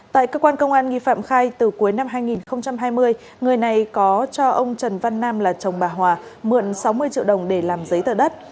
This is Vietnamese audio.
tại cơ quan công an nghi phạm khai từ cuối năm hai nghìn hai mươi người này có cho ông trần văn nam là chồng bà hòa mượn sáu mươi triệu đồng để làm giấy tờ đất